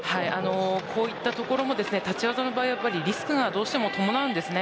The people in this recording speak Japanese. こういったところも立ち技の場合はリスクがどうしても伴います。